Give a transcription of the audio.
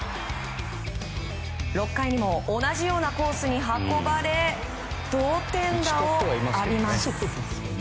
６回にも同じようなコースに運ばれ同点弾を浴びます。